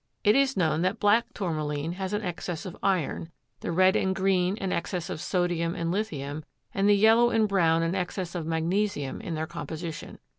It is known that black Tourmaline has an excess of iron, the red and green an excess of sodium and lithium, and the yellow and brown an excess of magnesium in their composition.